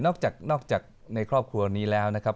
นอกจากในครอบครัวนี้แล้วนะครับ